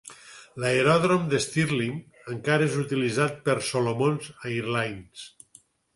L'aeròdrom de Stirling encara és utilitzar per Solomons Airlines.